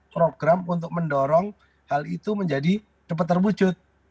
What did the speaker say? program untuk mendorong hal itu menjadi dapat terwujud